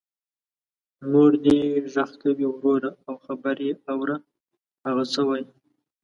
مور دی غږ کوې وروره او خبر یې اوره هغه څه وايي.